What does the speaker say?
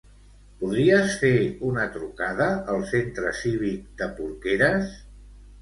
Podries fer una trucada al centre cívic de Porqueres?